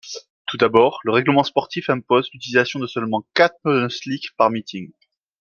Tout d’abord le règlement sportif impose l’utilisation de seulement quatre pneus slick par meeting.